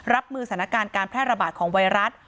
รับมือสถานการณ์การแพร่ระบาดของไวรัส